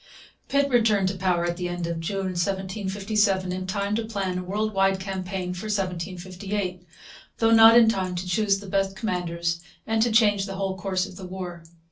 Pitt returned to power at the end of June 1757, in time to plan a world wide campaign for 1758, though not in time to choose the best commanders and to change the whole course of the war.